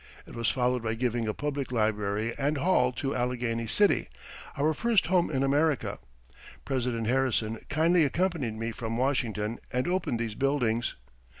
It was followed by giving a public library and hall to Allegheny City our first home in America. President Harrison kindly accompanied me from Washington and opened these buildings.